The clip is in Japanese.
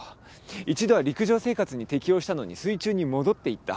１度は陸上生活に適応したのに水中に戻っていった。